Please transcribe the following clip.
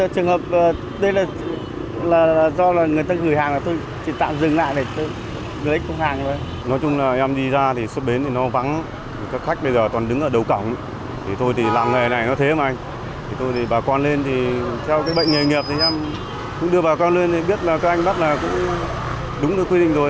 sau cái bệnh nghề nghiệp thì em cũng đưa bà con lên để biết là các anh bắt là đúng được quy định rồi